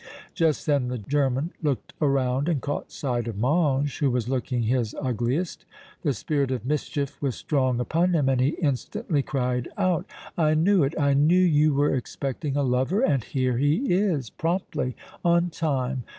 Just then the German looked around and caught sight of Mange, who was looking his ugliest. The spirit of mischief was strong upon him and he instantly cried out: "I knew it; I knew you were expecting a lover and here he is promptly on time!